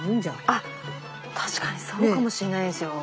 あ確かにそうかもしれないですよ。